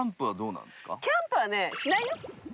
キャンプはねしないよ。